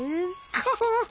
クフフフ。